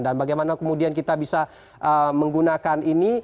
dan bagaimana kemudian kita bisa menggunakan ini